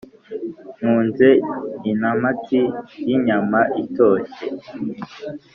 Nkunze intamati y'inyama itoshye,